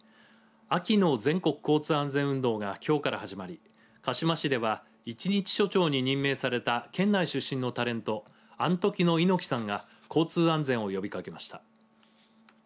秋の全国交通安全運動がきょうから始まり鹿嶋市では１日署長に任命された県内出身のタレントアントキの猪木さんが交通安全を呼びかけました。